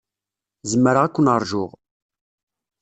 Zemreɣ ad ken-ṛjuɣ.